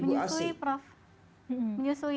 menyusui prof menyusui